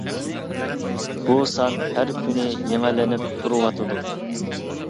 بۇ سان ھەر كۈنى يېڭىلىنىپ تۇرۇۋاتىدۇ.